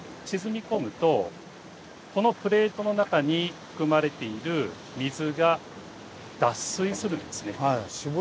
沈み込むとこのプレートの中に含まれている水が脱水するんですね。